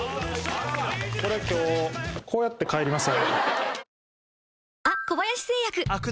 今日こうやって帰ります。